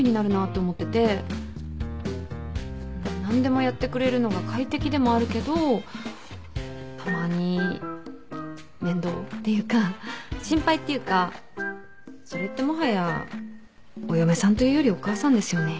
ん何でもやってくれるのが快適でもあるけどたまに面倒っていうか心配っていうかそれってもはやお嫁さんというよりお母さんですよね。